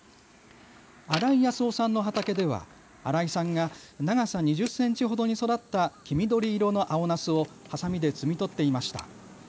新井易雄さんの畑では新井さんが長さ２０センチほどに育った黄緑色の青なすをはさみで摘み取っていました。